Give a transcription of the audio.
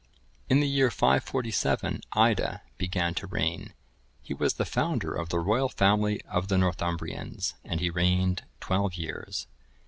In the year 547, Ida(1034) began to reign; he was the founder of the royal family of the Northumbrians, and he reigned twelve years.